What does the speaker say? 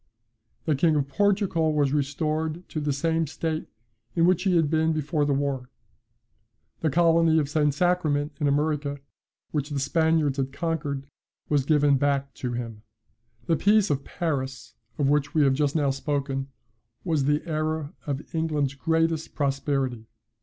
The King of Portugal was restored to the same state in which he had been before the war. The colony of St. Sacrament in America, which the Spaniards had conquered, was given back to him. "The peace of Paris, of which we have just now spoken, was the era of England's greatest prosperity.